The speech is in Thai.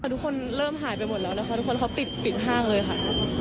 ทุกคนเริ่มหายไปหมดแล้วนะคะทุกคนเขาปิดห้างเลยค่ะ